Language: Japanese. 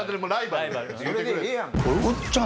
それでええやんか。